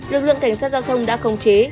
lực lượng cảnh sát giao thông đã không chế